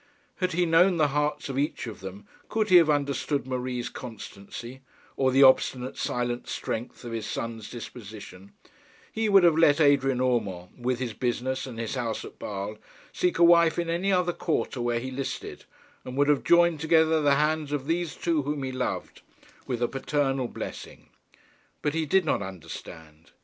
Had he known the hearts of each of them, could he have understood Marie's constancy, or the obstinate silent strength of his son's disposition, he would have let Adrian Urmand, with his business and his house at Basle, seek a wife in any other quarter where he listed, and would have joined together the hands of these two whom he loved, with a paternal blessing. But he did not understand.